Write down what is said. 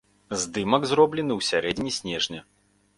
Здымак зроблены ў сярэдзіне снежня.